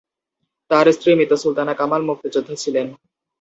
তার স্ত্রী মৃত সুলতানা কামাল মুক্তিযোদ্ধা ছিলেন।